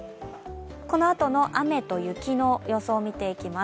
このあとの雨と雪の予想を見ていきます。